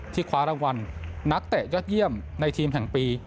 คว้ารางวัลนักเตะยอดเยี่ยมในทีมแห่งปี